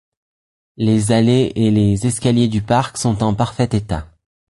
Les allées et les escaliers du parc sont en parfait état.